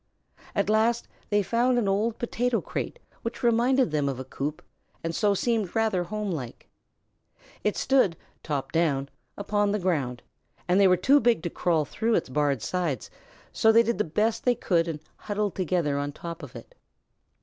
At last they found an old potato crate which reminded them of a coop and so seemed rather homelike. It stood, top down, upon the ground and they were too big to crawl through its barred sides, so they did the best they could and huddled together on top of it.